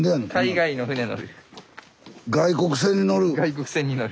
外国船に乗る？